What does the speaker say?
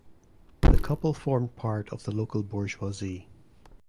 The couple formed part of the local bourgeoisie.